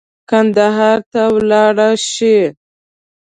کندهار ته ولاړ شي.